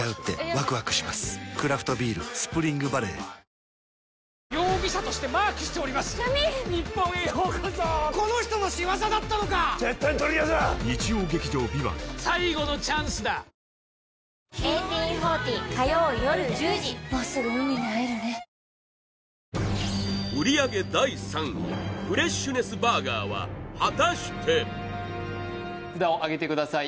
クラフトビール「スプリングバレー」売上第３位フレッシュネスバーガーは果たして札をあげてください